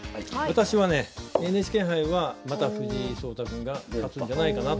私はねＮＨＫ杯はまた藤井聡太君が勝つんじゃないかなと。